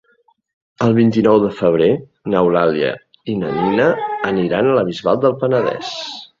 El vint-i-nou de febrer n'Eulàlia i na Nina aniran a la Bisbal del Penedès.